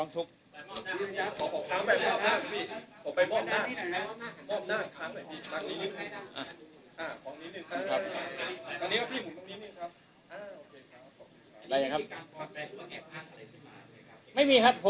มีครับมีครับ